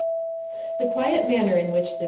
The quiet manner in which the V.